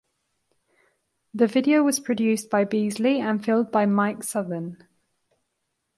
The video was produced by Beasley and filmed by Mike Southon.